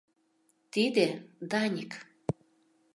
Тиде — Даник.